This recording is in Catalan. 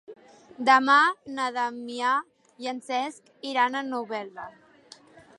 Demà na Damià i en Cesc iran a Novelda.